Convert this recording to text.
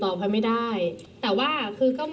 เธออยากให้ชี้แจ่งความจริง